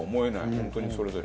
本当にそれぞれ。